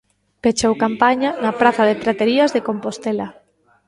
Pechou campaña na praza de Praterías de Compostela.